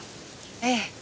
ええ。